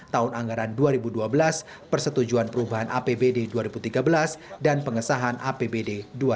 tahun anggaran dua ribu dua belas persetujuan perubahan apbd dua ribu tiga belas dan pengesahan apbd dua ribu dua puluh